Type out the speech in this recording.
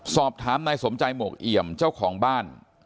สอบถามนายสมใจหมวกเอี่ยมเจ้าของบ้าน